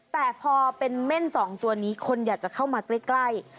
แต่พอเป็นเม่นสองตัวนี้คนอยากจะเข้ามาใกล้